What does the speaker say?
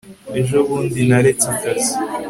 ejo bundi naretse akazi